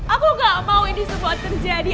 aku gak mau ini semua terjadi